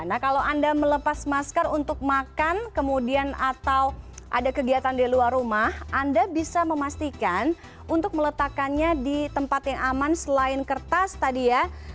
nah kalau anda melepas masker untuk makan kemudian atau ada kegiatan di luar rumah anda bisa memastikan untuk meletakkannya di tempat yang aman selain kertas tadi ya